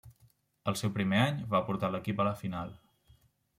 Al seu primer any va portar l'equip a la final.